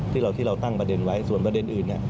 ที่เราที่เราตั้งประเด็นไว้ส่วนประเด็นอื่นน่ะ